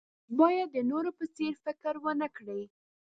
باید د نورو په څېر فکر ونه کړئ.